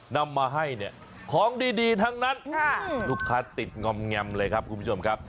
นำมาให้เนี่ยของดีทั้งนั้นลูกค้าติดงอมแงมเลยครับคุณผู้ชมครับ